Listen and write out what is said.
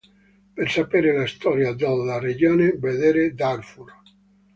Per sapere la storia della regione vedere Darfur.